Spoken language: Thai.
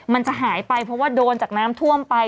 มันจะหายไปเพราะว่าโดนจากน้ำท่วมไป